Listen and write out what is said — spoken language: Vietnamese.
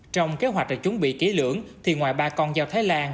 trong kế hoạch đã chuẩn bị ký lưỡng thì ngoài ba con dao thái lan